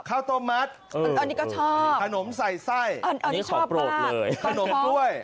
ข้าวโตมัสขนมใส่ไส้ขนมกล้วย